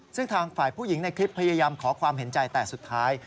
ซึ่งทางฝ่ายผู้หญิงในคลิปพยายามขอความเห็นใจแต่สุดท้าย